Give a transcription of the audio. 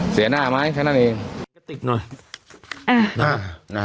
เสียหน้าไม๊ฮะนั่นเองอ่ะ